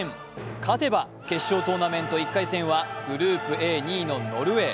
勝てば決勝トーナメント１回戦はグループＡ、２位のノルウェー。